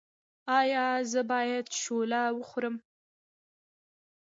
ایا زه باید شوله وخورم؟